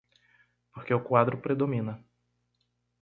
Porque o quadro predomina.